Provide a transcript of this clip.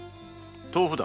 豆腐だ。